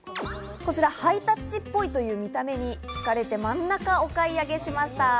こちら、ハイタッチっぽいという見た目にひかれて、真ん中をお買い上げしました。